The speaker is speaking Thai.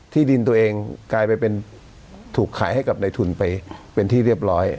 ที่ดินตัวเองกลายไปเป็นถูกขายให้กับในทุนไปเป็นที่เรียบร้อย